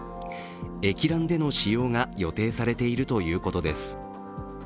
液卵での使用が予定されているということです。